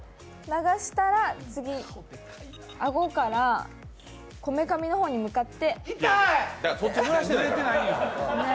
流したら、次、顎からこめかみの方に向かって。